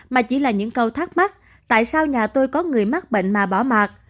mà chỉ là những câu thắc mắc tại sao nhà tôi có người mắc bệnh mà bỏ mặt